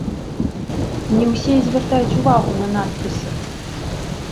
Не ўсе і звяртаюць увагу на надпісы.